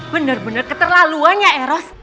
bener bener keterlaluan ya eros